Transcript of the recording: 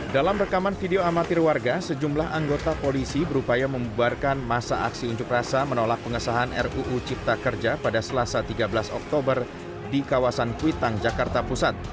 dalam rekaman video amatir warga sejumlah anggota polisi berupaya membuarkan masa aksi unjuk rasa menolak pengesahan ruu cipta kerja pada selasa tiga belas oktober di kawasan kuitang jakarta pusat